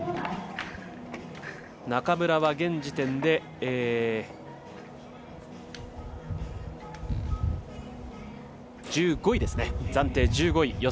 中村は現時点で暫定１５位。